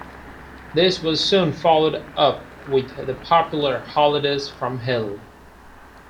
This was soon followed up with the popular "Holidays from Hell".